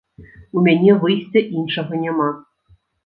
У мяне выйсця іншага няма.